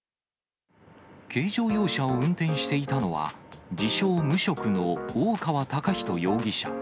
軽乗用車を運転していたのは、自称無職の大川孝仁容疑者。